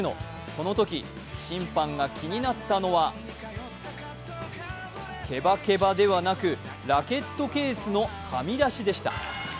そのとき審判が気になったのはケバケバではなく、ラケットケースのはみ出しでした。